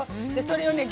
それをね